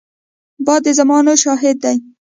باد د زمانو شاهد دی